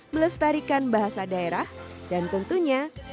melestarikan bahasa daerah dan tentunya